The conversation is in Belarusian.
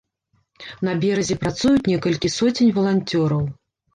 На беразе працуюць некалькі соцень валанцёраў.